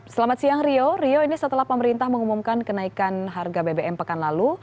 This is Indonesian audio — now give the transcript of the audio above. selamat siang rio rio ini setelah pemerintah mengumumkan kenaikan harga bbm pekan lalu